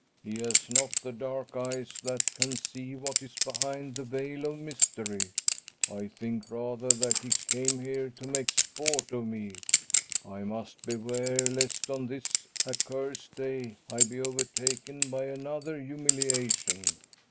"He has not the dark eyes that can see what is behind the veil of mystery. I think, rather, that he came here to make sport of me. I must beware lest on this accursed day I be overtaken by another humiliation."